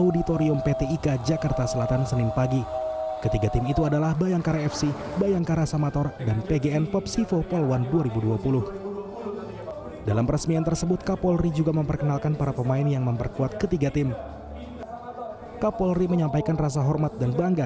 tiga dua satu dan jalan